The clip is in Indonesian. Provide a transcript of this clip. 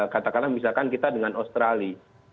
katakanlah misalkan kita dengan australia